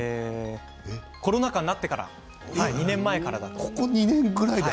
コロナ禍になってから２年前からだそうです。